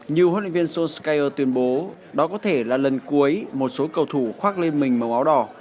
như hlv solskjaer tuyên bố đó có thể là lần cuối một số cầu thủ khoác lên mình màu áo đỏ